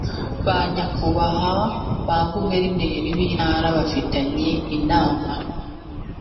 ba nyakubahwa ba guverineri b ‘intara bafitanye inama.